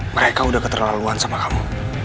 mereka udah keterlaluan sama kamu